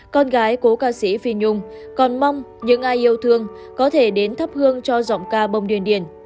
con gái cố ca sĩ phi nhung còn mong những ai yêu thương có thể đến thắp hương cho giọng ca bông điền